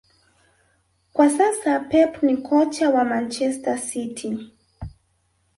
kwa sasa Pep ni kocha wa Manchester City